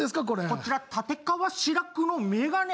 こちら立川志らくの眼鏡。